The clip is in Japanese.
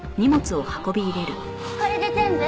これで全部？